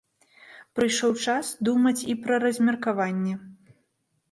Прыйшоў час думаць і пра размеркаванне.